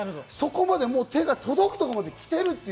そこまで手が届くところまで来ている。